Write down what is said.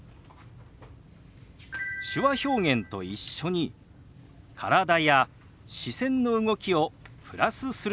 手話表現と一緒に体や視線の動きをプラスすることです。